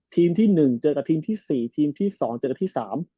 ทีมที่๑เจอกับทีมที่๔ทีมที่๒เจอกับที่๓